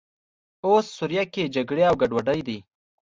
اوس سوریه کې جګړې او ګډوډۍ دي.